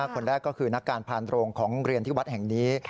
คนแรกก็คือนักการพานโรงของเรียนที่วัดแห่งนี้